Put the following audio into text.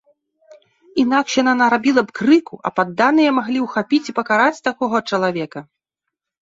Інакш яна нарабіла б крыку, а падданыя маглі ухапіць і пакараць такога чалавека.